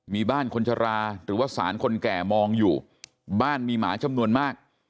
มีบ้านคนชราหรือว่าสารคนแก่มองอยู่บ้านมีหมา